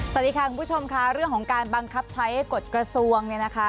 สวัสดีค่ะคุณผู้ชมค่ะเรื่องของการบังคับใช้กฎกระทรวงเนี่ยนะคะ